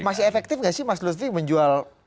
masih efektif nggak sih mas lutfi menjual